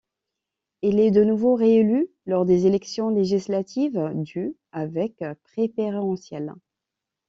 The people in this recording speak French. Il est de nouveau réélu lors des élections législatives du, avec préférentiels.